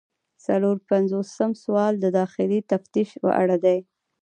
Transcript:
څلور پنځوسم سوال د داخلي تفتیش په اړه دی.